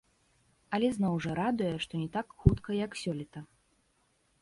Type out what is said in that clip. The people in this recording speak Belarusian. Але зноў жа, радуе, што не так хутка, як сёлета.